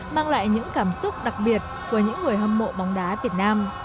mang lại những cảm xúc đặc biệt của những người hâm mộ bóng đá việt nam